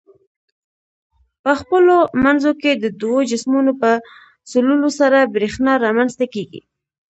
په خپلو منځو کې د دوو جسمونو په سولولو سره برېښنا رامنځ ته کیږي.